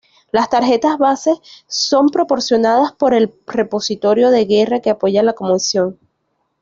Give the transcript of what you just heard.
Las tarjetas base son proporcionadas por el repositorio de guerra que apoya la comisión.